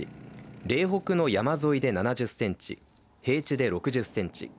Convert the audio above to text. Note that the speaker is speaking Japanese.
嶺北の山沿いで７０センチ平地で６０センチ